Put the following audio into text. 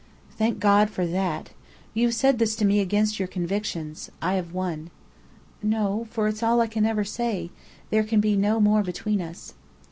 "Thank God for that! You've said this to me against your convictions. I have won." "No, for it's all I can ever say. There can be no more between us."